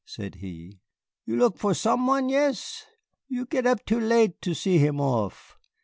said he. "You look for some one, yes? You git up too late see him off."